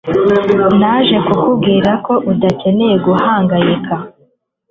naje kukubwira ko udakeneye guhangayika